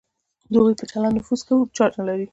د هغوی پر چلند نفوذ کوو.